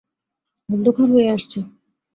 অন্ধকার হয়ে আসছে!